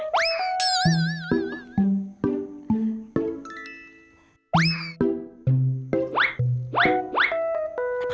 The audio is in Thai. อุ้ยขอโทษครับ